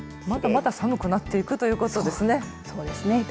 まだまだ寒くなっていくということですね。